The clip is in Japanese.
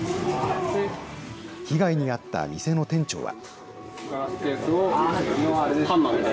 被害に遭った店の店長は。